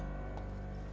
dan setelah itu